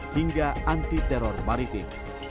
hingga anti teror maritim